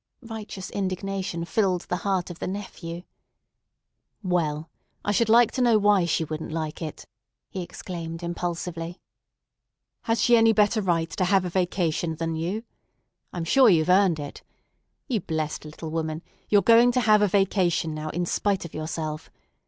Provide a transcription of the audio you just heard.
Righteous indignation filled the heart of the nephew. "Well, I should like to know why she wouldn't like it!" he exclaimed impulsively. "Has she any better right to have a vacation than you? I'm sure you've earned it. You blessed little woman, you're going to have a vacation now, in spite of yourself.